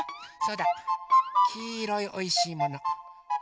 そうだきいろいおいしいもの。